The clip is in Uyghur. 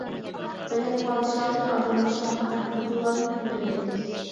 پولەك پادىشاھى ئادەم بېشىغا پەقەت بىر تىللادىن پۇل تۆلەيتتى.